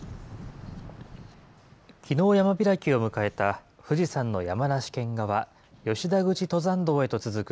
きのう山開きを迎えた、富士山の山梨県側、吉田口登山道へと続く